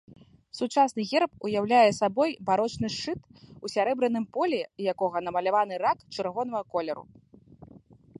Сучасны герб уяўляе сабой барочны шчыт, у сярэбраным полі якога намаляваны рак чырвонага колеру.